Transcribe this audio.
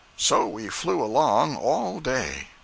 So we flew along all day.